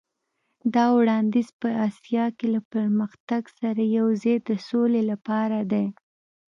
دا وړاندیز په اسیا کې له پرمختګ سره یو ځای د سولې لپاره دی.